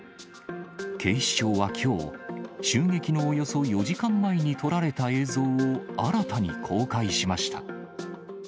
警視庁はきょう、襲撃のおよそ４時間前に撮られた映像を新たに公開しました。